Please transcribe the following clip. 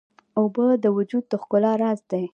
اوبه د وجود د ښکلا راز دي.